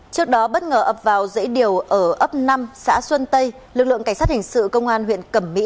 trước đó bất ngờ ập vào dãy điều ở ấp năm xã xuân tây lực lượng cảnh sát hình sự công an huyện cẩm mỹ